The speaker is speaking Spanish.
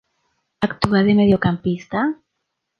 Actúa de mediocampista.